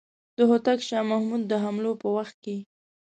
د هوتک شاه محمود د حملو په وخت کې.